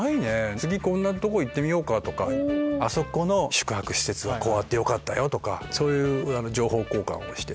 次こんなとこ行ってみようとかあそこの宿泊施設よかったとかそういう情報交換をしてて。